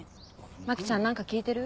牧ちゃん何か聞いてる？